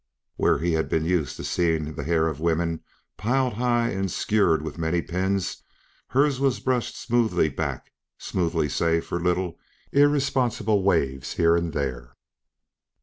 Where he had been used to seeing the hair of woman piled high and skewered with many pins, hers was brushed smoothly back smoothly save for little, irresponsible waves here and there.